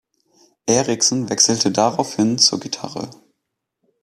Eriksen wechselte daraufhin zur Gitarre.